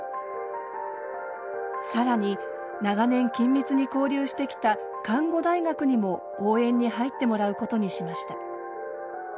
更に長年緊密に交流してきた看護大学にも応援に入ってもらうことにしました。